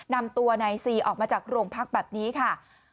นำตัวนายซีออกมาจากโรงพักแบบนี้ค่ะ